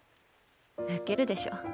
ウケるでしょ。